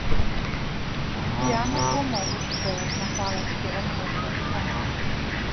Шәгәы иаанагома урҭ дара рнапала цәгьарак ҟарҵоит ҳәа.